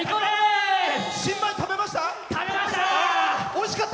新米、食べました？